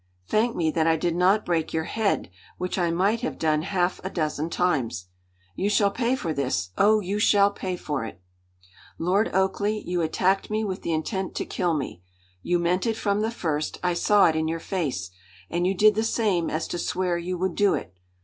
"Thank me that I did not break your head, which I might have done half a dozen times!" "You shall pay for this! Oh, you shall pay for it!" "Lord Oakleigh, you attacked me with the intent to kill me. You meant it from the first; I saw it in your face, and you did the same as to swear you would do it.